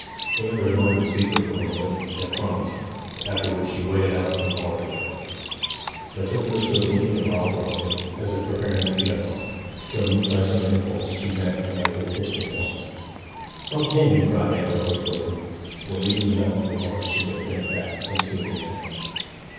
Anne regarded the speaker for a moment, and promised; after which she waded out from the archway. Matilda stood looking at Bob for a moment, as if preparing to go, till moved by some impulse she bent and lightly kissed him once. 'How can you!' cried Anne reproachfully. When leaving the mouth of the arch she had bent back and seen the act.